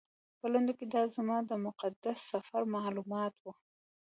په لنډو کې دا زما د مقدس سفر معلومات و.